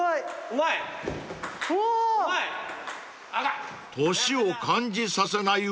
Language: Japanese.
うまい。